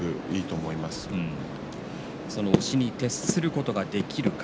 押しに徹することができるか。